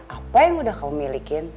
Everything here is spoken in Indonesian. apa yang udah kamu milikin